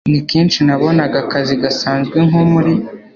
ni kenshi nabonaga akazi gasanzwe nko muri